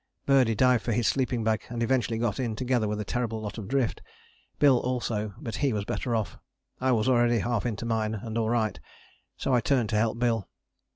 Birdie dived for his sleeping bag and eventually got in, together with a terrible lot of drift. Bill also but he was better off: I was already half into mine and all right, so I turned to help Bill.